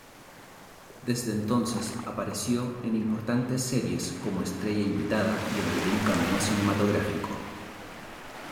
Desde entonces apareció en importantes series como estrella invitada y en algún cameo cinematográfico.